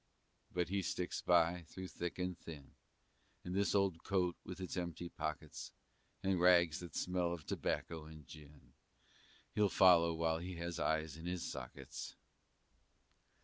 But he sticks by, through thick and thin; And this old coat with its empty pockets, And rags that smell of tobacco and gin, He'll follow while he has eyes in his sockets.